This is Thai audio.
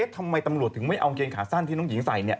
ทำไมตำรวจถึงไม่เอากางเกงขาสั้นที่น้องหญิงใส่